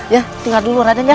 ya tinggal dulu raden ya